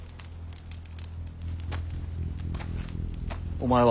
お前は？